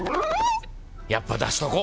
やっぱ出しとこ。